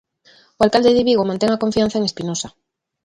O alcalde de Vigo mantén a confianza en Espinosa.